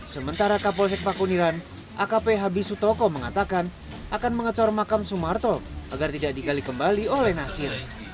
sementara kapolsek pakuniran akp habi sutoko mengatakan akan mengecor makam sumarto agar tidak digali kembali oleh nasir